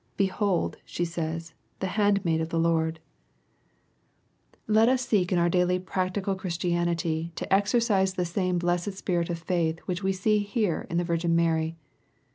" Behold/' she says, " the handmaid of the Lord/' 30 EXPOSITORY THOUGHTS. Let US seek in our daily practical Christiauity to exercise the same blessed spirit of faith wrhich we see here in the Virgin Mary.